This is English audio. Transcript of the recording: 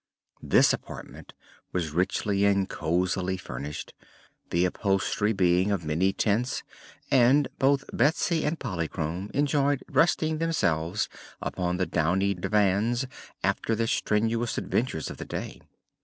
This apartment was richly and cosily furnished, the upholstery being of many tints, and both Betsy and Polychrome enjoyed resting themselves upon the downy divans after their strenuous adventures of the day.